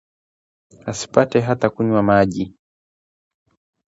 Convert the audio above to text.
asipate hata kunywa maji